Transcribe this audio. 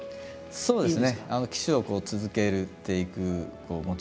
そうですね。